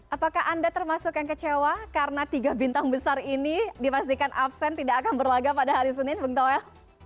apakah anda termasuk yang kecewa karena tiga bintang besar ini dipastikan absen tidak akan berlagak pada hari senin bung toel